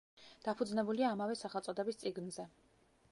დაფუძნებულია ამავე სახელწოდების წიგნზე.